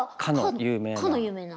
かの有名な。